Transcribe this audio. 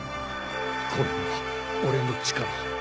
これが俺の力。